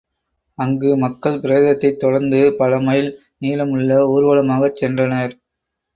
அங்கு மக்கள் பிரேதத்தைத் தொடர்ந்து பலமைல் நீளமுள்ள ஊர்வலமாகச் சென்றனர்.